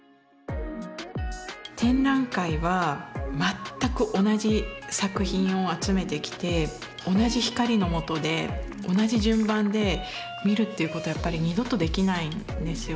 展覧会は全く同じ作品を集めてきて同じ光のもとで同じ順番で見るっていうことはやっぱり二度とできないんですよね。